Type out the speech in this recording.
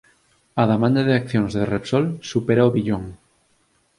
A demanda de accións de Repsol supera o billón